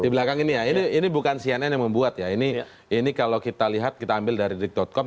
di belakang ini ya ini bukan cnn yang membuat ya ini kalau kita lihat kita ambil dari detik com